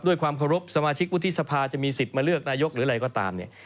ด้วยความเคารพสมาชิกวุฒิสภาจะมีสิทธิ์มาเลือกนายกหรืออะไรก็ตามเนี่ย